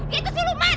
dia itu siluman